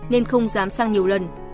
nên không dám sang nhiều lần